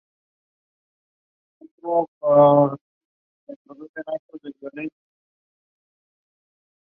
The second cave is located more to the south and its ceiling has collapsed.